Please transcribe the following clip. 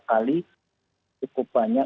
kali cukup banyak